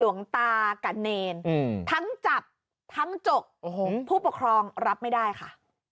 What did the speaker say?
หลวงตากับเนรทั้งจับทั้งจกผู้ปกครองรับไม่ได้ค่ะ